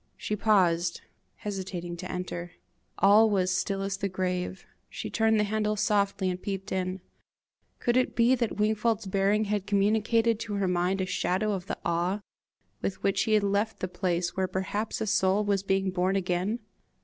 She paused, hesitating to enter. All was still as the grave. She turned the handle softly and peeped in: could it be that Wingfold's bearing had communicated to her mind a shadow of the awe with which he had left the place where perhaps a soul was being born again?